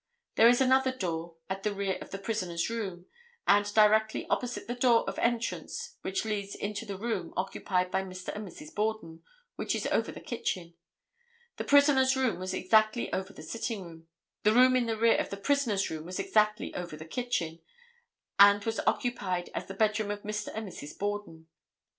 There is another door at the rear of the prisoner's room, and directly opposite the door of entrance which leads into the room occupied by Mr. and Mrs. Borden, which is over the kitchen. The prisoner's room was exactly over the sitting room. The room in the rear of the prisoner's room was exactly over the kitchen, and was occupied as the bedroom of Mr. and Mrs. Borden.